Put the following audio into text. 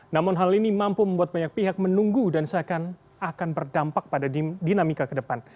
namun hal ini mampu membuat banyak pihak menunggu dan seakan akan berdampak pada dinamika ke depan